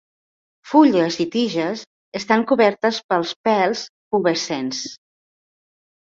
Fulles i tiges estan cobertes per pèls pubescents.